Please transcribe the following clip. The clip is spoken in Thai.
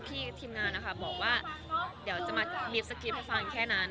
ทีมงานนะคะบอกว่าเดี๋ยวจะมามีสกรีตให้ฟังแค่นั้น